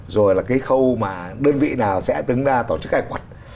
rồi là cái khâu mà đơn vị nào sẽ đứng ra tổ chức khai quật